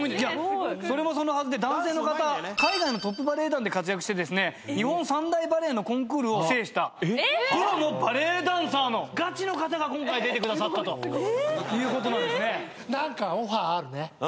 それもそのはずで男性の方海外のトップバレエ団で活躍して日本三大バレエのコンクールを制したプロのバレエダンサーのガチの方が今回出てくださったということなんですね。